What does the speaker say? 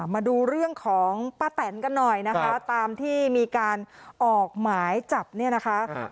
มาดูเรื่องของป้าแตนกันหน่อยนะคะตามที่มีการออกหมายจับเนี่ยนะคะ